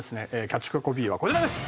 キャッチコピーはこちらです。